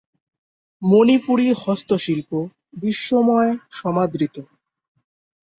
মণিপুরী হস্তশিল্প বিশ্বময় সমাদৃত।